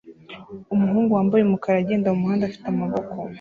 Umuhungu wambaye umukara agenda mumuhanda afite amaboko